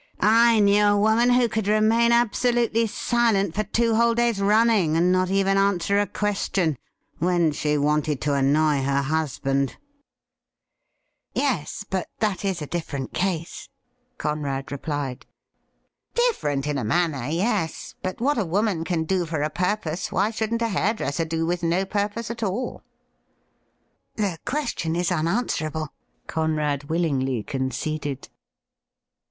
' I knew a woman who could remain absolutely silent for MR. WALEY^S CHIEF 47 two whole days running, and not even answer a question, when she wanted to annoy her husband.' ' Yes, but that is a different case,' Conrad repHed. ' Different in a manner — ^yes ; but what a woman can do for a purpose, why shouldn't a hairdresser do with no purpose at all ?''' The question is unanswerable,' Conrad willingly con ceded.